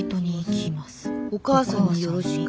「お母さんによろしく。